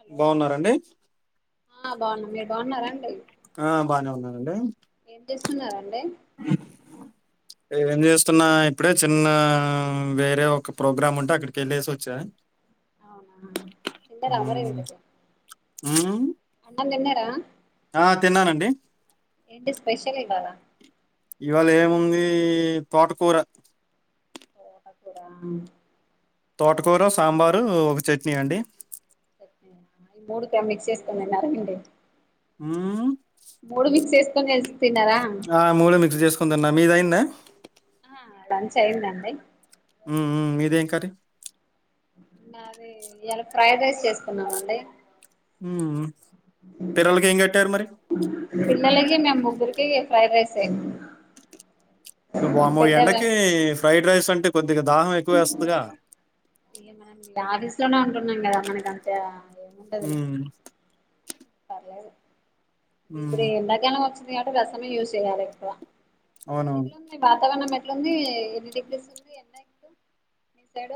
Hello బాగున్నారండి ఆ బాగున్నా మీరు బాగున్నారండి ఆ బాగానే ఉన్నానండి చేస్తున్నారండి [inaudible] [inaudible] ఏం చేస్తున్నా, ఇప్పుడే చిన్న వేరే ఒక ప్రోగ్రామ్ ఉంటే అక్కడికి వెళ్ళేసి వచ్చా అవునా తిన్నారా మరి ఇంతకీ మ్ ఆ తిన్నానండి ఏంటి స్పెషల్ ఇవ్వాలా ఇవాళ ఏముంది తోటకూర తోటకూర తోటకూర సాంబారు ఒక చట్నీ అండి మూడు కే మిక్స్ చేసుకొని తిన్నారా అండి ఉమ్మ్ మూడు మిక్స్ చేసుకోనే చె ఆ మూడు మిక్స్ చేసుకొని తిన్నా మీది అయిందా ఆ లంచ్ అయిందండి ఉమ్మ్ మ్మ్ మీదేం కర్రీ అది ఇయ్యాల ఫ్రైడ్ రైస్ చేస్తున్నామండి పిల్లలకి ఏం కట్టారు మరి లేదండి మా ముగ్గురికి ఫ్రైడ్ రైస్ ఏ వామ్మో ఎండకి ఫ్రైడ్ రైస్ అంటే కొద్దిగా దాహం ఎక్కువ వేస్తదిగా డార్లిస్ లోనే ఉంటున్నం కదా మనకి అంత ఉండదులే హ్మ్. ఆ ఇప్పుడు హ్మ్. ఎండాకాలం వచ్చింది కాబట్టి రసమే యూస్ చేయాలి ఎక్కువ అవునవును. ఎట్లుంది వాతావరణం ఎట్లుంది ఎన్ని డిగ్రీస్ ఉంది ఎండ ఇప్పుడు మీ సైడ్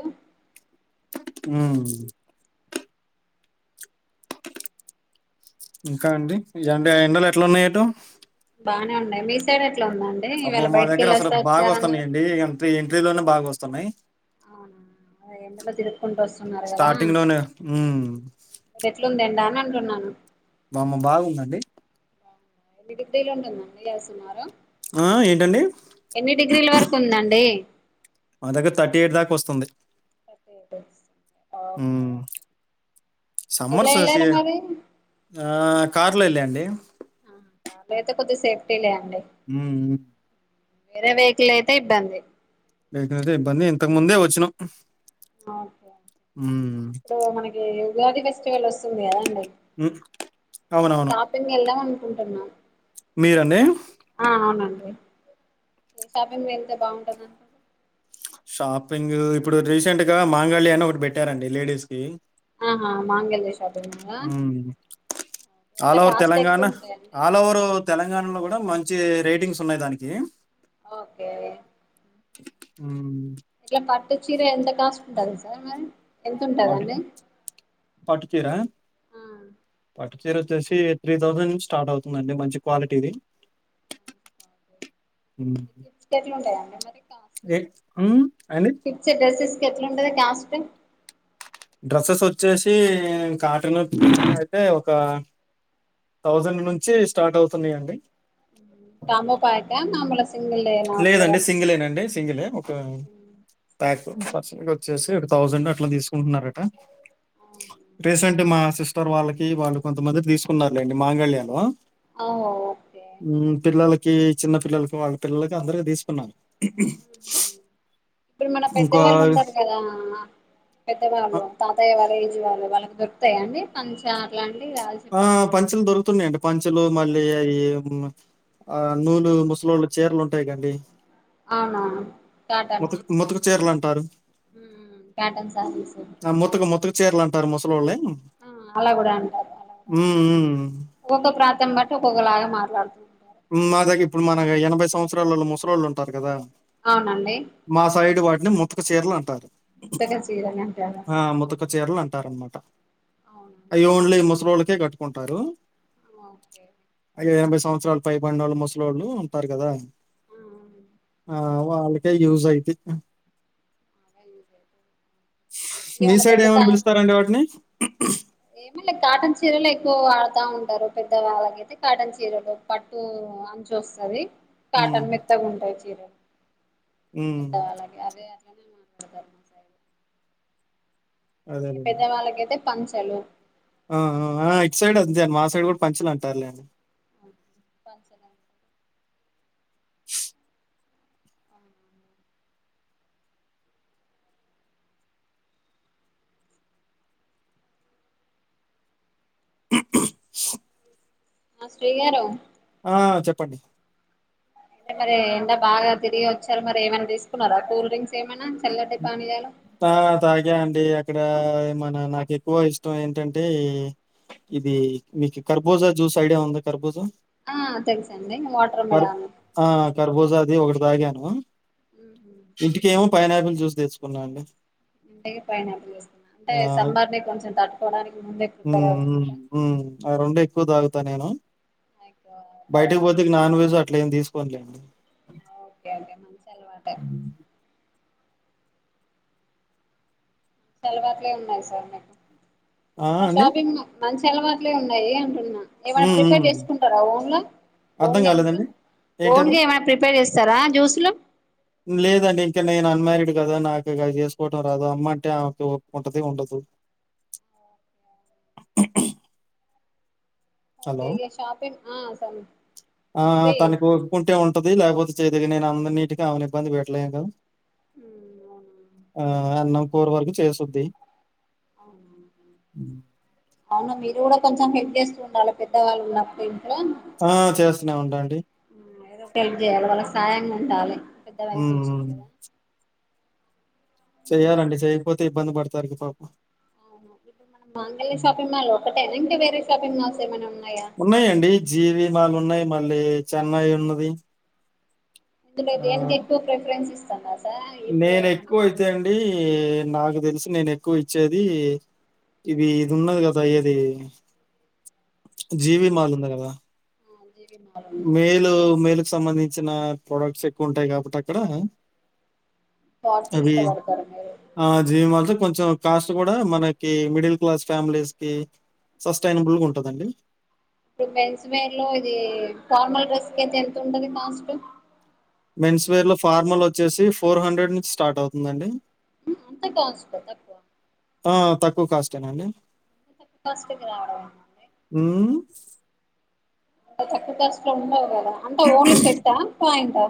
మ్మ్ ఇంకా అండి ఇఏ ఎండలు ఎట్లా ఉన్నాయటు బానే ఉన్నాయి మీ సైడ్ ఏ అబ్బో మా దగ్గర అసలు బాగా వస్తున్నాయియండి ఎంత ఎంట్రీలోనే బాగా వస్తున్నాయి అవునా అదే ఎండలో తిరుక్కుంటూ వస్తున్నారు కదా స్టార్టింగ్‌లోనే హ్మ్. ఎట్లుంది ఎండ అని అంటున్నాను వామ్మో బాగుందండి ఎన్ని డిగ్రీలు ఉంటుందండి సుమారు ఆ! ఏంటండి? ఎన్ని డిగ్రీల వరకు ఉందండి మా దగ్గర థర్టీ ఎయిట్ దాకా వస్తుంది ఓకే ఓకే ఎలా వెళ్లారు మరి ఆ కారులో వెళ్ళండి ఆ, కార్లో అయితే కొంచెం సేఫ్టీ లే అండి హ్మ మ్మ్ వేరే వెహికల్ అయితే ఇబ్బంది ఎం లే ఇబ్బంది ఇంతకు ముందే వచ్చినం ఓకే ఇప్పుడు మనకి ఉగాది ఫెస్టివల్ వస్తుంది కదాండి హ్మ్. అవునవును. షాపింగ్ వెళ్దాం అనుకుంటున్నా మీరండి ఏ షాప్ కి వెళ్తే బావుంటది అంటారు షాపింగ్ ఇప్పుడు రీసెంట్ గా మాంగళ్య అని ఒకటి పెట్టారండి లేడీస్ కి ఆహా మాంగళ్య షాపింగ్ మాల్ ఆ హ్మ్. ఆల్ ఎట్లా ఓవర్ కాస్ట్ తెలంగాణ ఎక్కువ ఉంటాయండి ఆల్ ఓవర్ తెలంగాణలో కూడా మంచి రేటింగ్స్ ఉన్నాయి దానికి ఓకే మ్మ్ ఇట్లా పట్టు చీర ఎంత కాస్ట్ ఉంటది సార్ మరి ఎంత ఉంటదండి పట్టు పట్టు చీర ఆ పాటు చీర వచ్చేసి త్రీ థౌజండ్ నుంచి స్టార్ట్ అవుతుందండి మంచి క్వాలిటీది మ్మ్. టెట్లుండయా ఆ మరి ఏ- మ్మ్. అండ్ కిచ్చె డసస్ కెట్లుంటుందడ టాస్కు డ్రస్సెస్ వచ్చేసి కాటన్ అయితే ఒక థౌజండ్ నుంచి స్టార్ట్ అవుతున్నయండి కాంబో ప్యాకా మామూలు సింగిల్ ఏనా లేదండి వస్తదా సింగిలేనండి సింగిలే ఒక ప్యాక్ అటు సైడొచ్చేసి ఒక తౌసండ్ అట్లా తీసుకుంటున్నారట రీసెంట్ మాసిస్ ఇత్తరు వాళ్ళకి వాళ్ళు కొంతమంది తీసుకున్నారులేండి మాంగళ్యాలో ఓ ఓకే హ్మ్. పిల్లలకి, చిన్న పిల్లలకు వాళ్ళ పిల్లలకు అందరికి తీసుకున్నాము ఇప్పుడు మన పెద్దవాళ్ళు ఉంటారు కదా అ పెద్దవాళ్ళు తాతయ్య వాళ్ళ ఏజ్ వాళ్ళు వాళ్లకి దొరుకుతాయా అండి పంచ అలాంటివి ఆ పంచలు దొరుకుతున్నాయండి పం పచ్చలు మళ్ళీ అయి ఆ నూలు ముసలోళ్ళ చీరలు ఉంటయిగండి అవునా ముతక్ ముతక్ చీరలన్ మ్మ్ కాటన్ శారీస్ చీర్లంటారు ముసళ్ళోలే ఆ అలా గుడ అంట అలా అంట హ్మ్. ఒక్కొక్క ప్రాంతం బట్టి ఒక్కొక్క బాగ మాట్లాడుదు మా దగ్ ఇప్పుడు మన ఎనభై సంవత్సరాలోళు ముసలోళ్ళు ఉంటారు గదా అవునండి ముతక చీర్లంటారు ఉతక చీరలు అంటారా ఆ ముతక చీరలు అం టరన్నట అవునా అయి ఓన్లీ ముసలోళ్ళకే కట్టుకుంటారు ఓకే ఎనభై సంవత్సరాల పై బడినోళ్ళు ముసలోళ్ళు ఉంటారు గదా ఆ, ఆ వాళ్ళకే యూస్ అయితయ్ అదే. మీ ఏమన్నా సైడ్ పెద్ద తా ఏమని పిలుస్తారండి వాటిని ఏమలే కాటన్ చీరలు ఎక్కువ వాడుతా ఉంటారు పెద్ద వాళ్ళకైతే కాటన్ చీరలు పట్టు చూస్తది హ్మ్. కాటన్ మెత్తగుంటాయి చీరలు హ్మ్. మెత్తాలని అదే [unintelligible] సైడ్ మీ అదేలెండి. పెద్దవాళ్ళకైతే పంచలు ఆ ఆ ఇటు సైడ్ అంతే మా సైడ్ గూడ్ పంచలు అంటారులెండి పంచగం ఆ ఆ శ్రీగారు ఆ చెప్పండి అంటే మరి ఎండ బాగా తిరిగొచ్చారు మరి ఏమన తీసుకున్నారా కూల్ డ్రింక్స్ ఏమనా తా తాగ అండి ఇక్కడ మన నాకు ఎక్కువ ఇష్టం ఏంటంటే ఇది మీకు కర్బూజా జ్యూస్ ఐడియా ఉందా కర్బోజా ఆ తెలుసండి వాటర్ మిలాన్ ఆ! కర్బూజా అది ఒకటి తాగాను ఇంటికేమో పైనాపిల్ జ్యూసి తెచ్చుకున్నా అండి ఇంటికి పైనాపిల్ జూసేన అంటే సమ్మర్ ని కొంచెం తట్టుకోవడానికి ముందే మ్మ్ ప్రిపేర్ మ్మ్ అవుతున్నారా మ్మ్ ఆ రెండు ఎక్కువ తాగుతా నేను ఎక్కువ తాగుతారా బయటకు పోతే నాన్ వెజ్ అట్లేమి తీసుకోనులేండి ఓకే ఓకే మంచి అలవాటే హ్మ్. చలవాట్లే ఉన్నాయి సార్ మీకు ఆ! అండి. షాపింగ్ మంచి తెలవాట్లే ఉన్నాయి అంటున్నా ఏమైనా హ్మ్. ప్రిపేర్ హ్మ్. చేసుకుంటారా ఓన్ల అర్థం కాలేదండి. [unintelligible] ఓన్గా ఏంటండి? ఏమైనా ప్రిపేర్ చేస్ సరా జూస్లు లేదండి ఇంక నేను అన్మారీడ్ గదా నాకు ఇక చేసుకోవటం రాదు, అమ్మంటే ఆమెకి ఓపికుంటది ఉండదు. ఓకే హలో ఇగ షాపింగ్ ఆ సం ఆ శ్రీ తనకు ఓపిక ఉంటే ఉన్ ఉంటది లేకపో చేయదిగనే అన్నినీటికి అవని ఇబ్బంది పెట్లేదు అవునా ఆ అన్నం కూర వరకు చేసుంది అవునా మీరు కూడా కొంచెం హెల్ప్ చేస్తూ ఉండాలి పెద్దవాళ్ళు ఉన్నప్పుడు హలో ఆ! చేస్తూనే ఉంటాండి. ఏదో ఒక హెల్ప్ చేయాలి వాళ్ళకి సాయంగా ఉండాలి పెద్ద ఉ వయసు వచ్చింది కదా అయితే చెయ్యాలండి మరి చేయకపోతే ఇబ్బంది పడతారు ఇక పాపం అవును ఇప్పుడు మనం మాంగళ్య హ్మ్. షాపింగ్ మాల్ ఒకటేనా ఇంకా వేరే షాపింగ్ మాల్స్ ఏమైనా ఉన్నాయా ఈ జీవి మను వాళ్లే చెన్నై ఉన్నది ఇద్దు నేను దేనికి ఎక్కువ ప్రిఫరెన్స్ ఇస్తాను నేను ఎక్కువ అయితే అండి నాకు తెలుసు నేను ఎక్కువ ఇచ్చేది కివి ఇది ఉన్నది కదా ఇది జీవి మాల్ ఉంది కదా జీవి మాల్ ఉంది మేలు మేలుకు సంబంధించిన ప్రొడక్ట్స్ ఎక్కువ ఉంటాయి కాబట్టి అక్కడ కాటన్ అది ఇష్టపడతారు మీరు ఆ జీవి మాల్ కొంచం కాస్ట్ కూడా మనకి మిడిల్ క్లాస్ ఫ్యామిలీస్ కి సస్టైనబుల్గా ఉంటది అండి ఇప్పుడు మెన్స్ వేర్ లో ఇది ఫార్మల్ డ్రెస్ కు అయితే ఎంత ఉంటది కాస్ట్ మెన్స్ వేర్ లో ఫార్మల్ వచ్చేసి ఫోర్ హండ్రెడ్ నుంచి స్టార్ట్ అవుతుందండి అంత కాస్ట్ తక్కువ ఆ తక్కువ కాస్టేనాండి తక్కు కాస్ట్ కి రావడం మ్మ్. అక్ తక్కువ కాస్ట్ లో ఉండవు కదా అంతా ఓన్లీ షర్ట్ ఆ పాయింట్ ఆ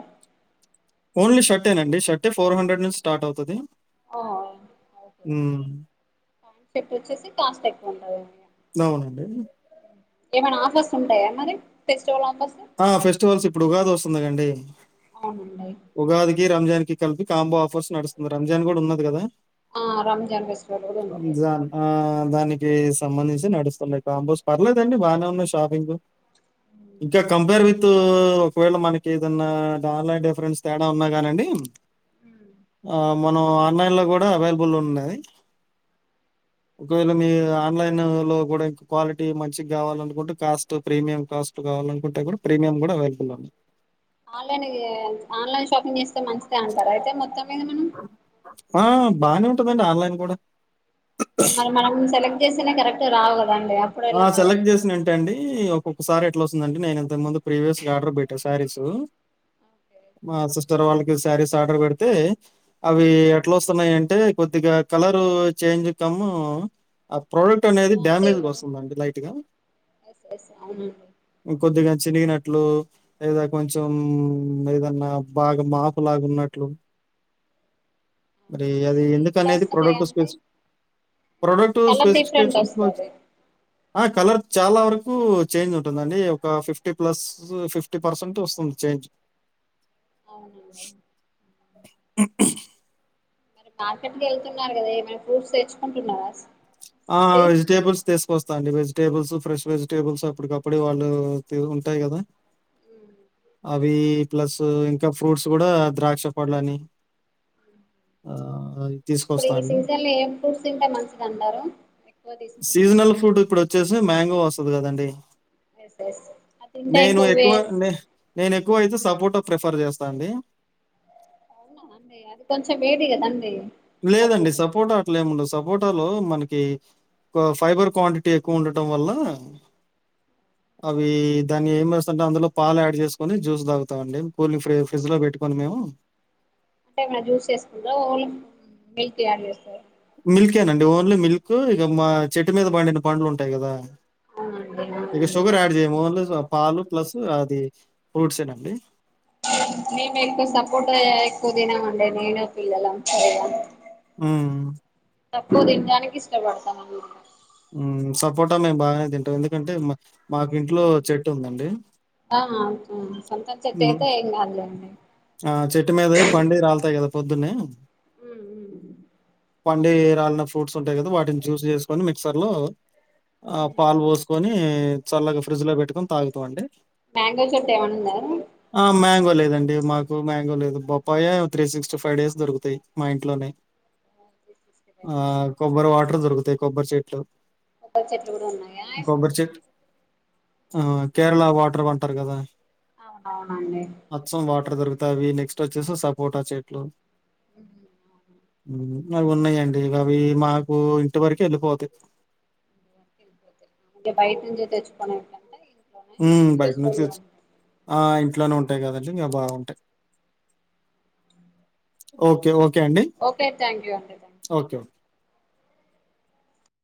ఓన్లీ షర్ట్ ఏ నండి షట్ అంటే ఫోర్ హండ్రెడ్ నుంచి స్టార్ట్ అవుతది ఓ ఉ కాన్సెప్ట్ వచ్చేసి కాస్ట్ ఎక్కువ ఉంటంది అన్నయ్య అవునండి ఏమైనా ఆఫర్స్ ఉంటాయా మరి ఫెస్టివల్ ఆఫర్ ఆ ఫెస్టివల్స్ ఇప్పుడు ఉగాది వస్తుంది కండి అవునండి ఉగాదికి రంజాన్ కి కలిపి కాంబో ఆఫర్స్ నడుస్తుంది రంజాన్ కూడా ఉన్నది కదా ఆ రంజాన్ ఫెస్టివల్ కూడా ఉంది రంజాన్ హ దానికి సంబంధించి నడుస్తున్నాయి కాంబోస్ పర్లేదండి బాగానే ఉన్నాయి షాపింగ్ ఆ కే కంపేర్ విత్ ఒకవేళ మనకి ఏదన్నా డాలై డిఫరెన్స్ తేడా ఉన్నా కానండి మ్మ్. ఆ మనం ఆన్లైన్ లో కూడా అవైలబుల్ ఉన్నది ఒకవేళ మీ ఆన్లైన్ లో కూడా ఇంకా క్వాలిటీ మంచిగా కావాలనుకుంటే కాస్ట్ ప్రీమియం కాస్ట్ కావాలన్ కుడితే కూడా ప్రీమియం కూడా అవైలబుల్ లో ఉంది ఆన్లైన్ ఏ ఆన్లైన్ షాపింగ్ చేస్తే మంచిదే అంటారు అయితే మొత్తం మీద మనం ఆ బాగానే ఉంటందండి ఆన్లైన్ కూడా కాని మరి మనం సెలెక్ట్ చేసేనే కరెక్ట్ రావాల ఆ సెలెక్ట్ చేసిన ఏంటండి ఇయ్యో ఒకసారి ఎట్లా వస్తుందండి నేను ఇంతకు ముందు ప్రీవియస్ గా ఆర్డర్ పెట్టా శారీస్ ఓకే మా సిస్టర్ వాళ్ళకి శారీస్ ఆర్డర్ పెడితే అవి ఎట్లా వస్తున్నాయి అంటే కొద్దిగా కలరు చేంజ్ కము ప్రోడక్ట్ అనేది క్వాలిటీ డ్యామేజ్ గా కూడా వస్తుందండి లైట్ గా ఎస్ ఎస్ అవునండి కొద్దిగా చినిగినట్లు లేదా కొంచెం ఏదన్నా బాగా మాపు లాగున్నట్లు మరి అవునండి అది ఇవి ఎందుకు ఎట్లా అనేది వస్తున్నాయి ప్రొడక్ట్ అంటే spills product colour different specifications వస్తది ఆ కలర్ చాలా వరకు చేంజ్ ఉంటుందండి ఒక ఫిఫ్టీ ప్లస్ ఫిఫ్టీ పర్సెంట్ వస్తుంద్. చెేయొచ్చు. అవునండి. మరి మార్కెట్కి వెళ్తున్నారు కదా ఏమైనా ఫ్రూట్స్ తెచ్చుకుంటున్నారా ఆ శ్రీ వెజిటేబుల్స్ తీసుకోస్ తండి వెజిటేబుల్స్ ఫ్రెష్ వెజిటేబుల్స్ అప్పటికప్పుడు వాళ్ళు తియ్యగా ఉంటాయి కదా. మ్మ్. అవి ప్లస్ ఇంకా ఫ్రూట్స్ కూడా ద్రాక్ష పళ్లు అని ఆ అ ఇప్పుడు ఈ సీజన్ లో ఏం ఫ్రూట్స్ తింటే మంచిదంటారు. సీజనల్ ఫ్రూట్ ఇప్పుడు వచ్చేసి మ్యాంగో వస్తది కదండి. ఎస్ ఎస్ అది తింటే నేను వే ఎక్కువ న నేను ఎక్కువ అయితే సపోర్ట ప్రిఫర్ చేస్తా అండి. అవునా అండి అది కొంచం వేడి కదండి లేదండి సపోట. సపోటా అట్లేముండదు. సపోటాలో మనకి ఫైబర్ క్వాంటిటీ ఎక్కువ ఉండటం వల్ల అవు అవి దాన్ని ఏం వేస్తుంటే అందులో పాలు యాడ్ చేసుకొని జ్యూస్ తాగుతామండి కూల్ని ఫ్రిడ్జ్ లో పెట్టుకని మేము. అంటే ఏమైనా జ్యూస్ వేసుకుంటరా ఓన్లీ మిల్క్ యాడ్ చేస్తరా. మిల్కేనండి ఓన్లీ మిల్క్ ఇక మా చెట్టు మీద పండిన పండ్లు ఉంటాయి కదా. అవునండి ఇక అవునండి సుగర్ యాడ్ చేయ్యము ఓన్లీ స పాలు ప్లస్ అది ఫ్రూట్స్ ఏనండి. మేము ఎక్కువ సపోర్ట్ ఎక్కువ తినమండి నేను పిల్లలం. ఆ తక్కువ తినడానికి ఇష్టపడతామ్ అన్మాట. హ్మ్ సపోటాలు మేము బాగానే తింటాం ఎందుకంటే మాకి ఇంట్లో చెట్టు ఉందండి. హ్మ్. చెట్టైతే ఏం కాదులేండి. ఆ చెట్టు మీదయి పండి రాల్తాయి కదా పొద్దున్నే. హ్మ్ హు పండి రాలిన ఫ్రూట్స్ ఉంటయి కదా వాటిని జ్యూస్ చేసుకొని మిక్సర్ లో ఆ మ్మ్. పాలు పోసుకొని చల్లగా ఫ్రిడ్జ్ లో పెట్టుకొని తాగుతాం అండి. మ్యాంగో చెట్టు ఏమన్నా ఆ ఉందా మ్యాంగోలేదు దండి మాకు మ్యాంగో లేదు బొప్పాయ three sixty five days దొరుకుతయి మా ఇంట్లోనే. త్రీ సిక్స్టీ ఫైవ్ ఆ డేస్ కొబ్బరి వాటర్ దొరుకుతాయి కొబ్బరి చెట్లు కొబ్బరి చెట్లు కూడా ఉన్నాయా కొబ్బరి చెట్ ఆ కేరళ వాటర్ అంటారు కదా అవునవునండి తవి నెక్స్ట్ వచ్చేసి సపోట చెట్లు. అవి ఉన్నాయండి ఇ అవి మాకు ఇంటి వరకు వెళ్ళిపోతయ్. ఇంగ బైట నుంచి తెచ్చుకునే కన్నా హ్మ్ బైట్ నుంచి ఆ ఇంట్లోనే ఉంటాయి కదండి ఇంకా బాగుంటయి ఓకే ఓకే అండి. ఓకే థాంక్యూ అండి థాంక్ ఓకే.